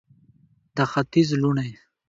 د ختیځ لوڼې